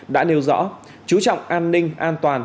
đã nêu rõ chú trọng an ninh an toàn